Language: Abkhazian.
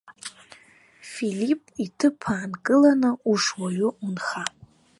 Филипп иҭыԥ аанкыланы, ушуаҩу унха.